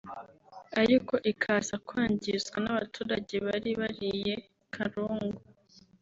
ariko ikaza kwangizwa n’abaturage bari bariye karungu